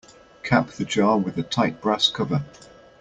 Cap the jar with a tight brass cover.